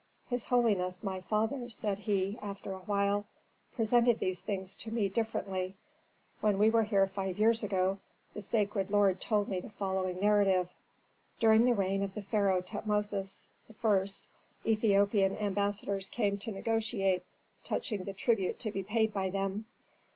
"His holiness, my father," said he, after a while, "presented these things to me differently; when we were here five years ago, the sacred lord told me the following narrative: "During the reign of the pharaoh Tutmosis I., Ethiopian ambassadors came to negotiate touching the tribute to be paid by them.